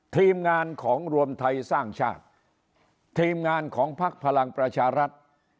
ทีมงานของรวมไทยสร้างชาติทีมงานของพักพลังประชารัฐ